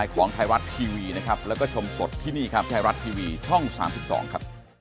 กับทีวีช่อง๓๒ครับ